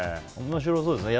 面白そうですね。